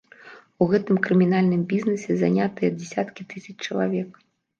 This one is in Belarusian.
У гэтым крымінальным бізнэсе занятыя дзясяткі тысяч чалавек.